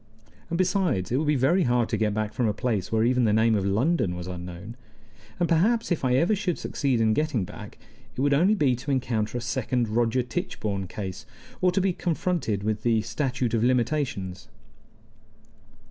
And, besides, it would be very hard to get back from a place where even the name of London was unknown. And perhaps, if I ever should succeed in getting back, it would only be to encounter a second Roger Tichborne case, or to be confronted with the statute of limitations.